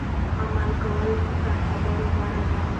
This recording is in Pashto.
عمل کول تر خبرو غوره دي.